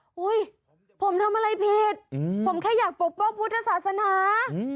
เฮ้ยผมทำอะไรผิดผมแค่อยากปกป้องพุทธศาสนา